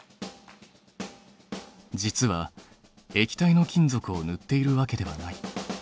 実は液体の金属をぬっているわけではない。